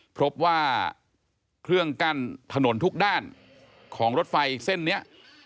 พบว่าเครื่องกั้นถนนทุกด้านของรถไฟเส้นนี้